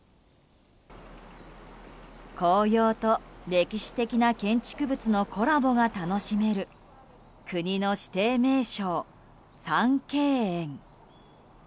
紅葉と歴史的な建築物のコラボが楽しめる国の指定名勝、三渓園。